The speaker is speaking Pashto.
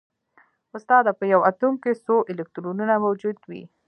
استاده په یو اتوم کې څو الکترونونه موجود وي